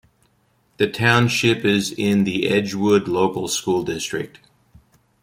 The township is in the Edgewood Local School District.